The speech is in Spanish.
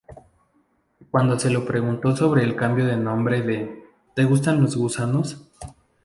Cuando se le preguntó sobre el cambio de nombre de "¿Te gustan los gusanos?